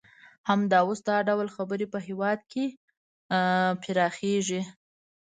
همدا اوس دا ډول خبرې په هېواد کې پراخیږي